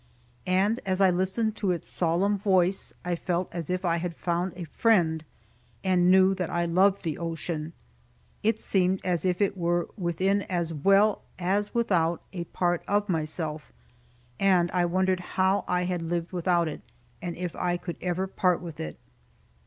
And as I listened to its solemn voice, I felt as if I had found a friend, and knew that I loved the ocean. It seemed as if it were within as well as without, a part of myself; and I wondered how I had lived without it, and if I could ever part with it.